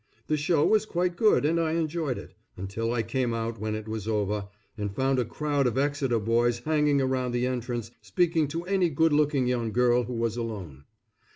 The show was quite good and I enjoyed it, until I came out when it was over, and found a crowd of Exeter boys hanging around the entrance speaking to any good looking young girl who was alone.